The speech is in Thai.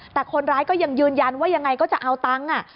แต่คนร้ายก็ยังยืนยันว่ายังไงก็จะเอาตังค์